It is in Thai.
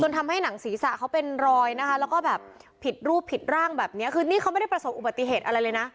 ทำให้หนังศีรษะเขาเป็นรอยนะคะแล้วก็แบบผิดรูปผิดร่างแบบนี้คือนี่เขาไม่ได้ประสบอุบัติเหตุอะไรเลยนะ